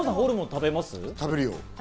食べるよ。